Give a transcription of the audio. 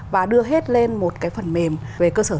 và đưa hết lên một cái phần mềm về cơ sở sử dụng